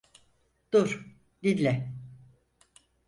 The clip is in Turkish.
Dur, dinle.